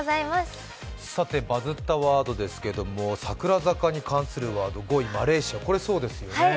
バズったワードですけれども、櫻坂に関するワード、マレーシア、これそうですよね。